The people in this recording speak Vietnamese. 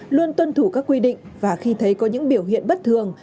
luôn tuân thủ các quy định và khi thấy có những biểu hiện bất thường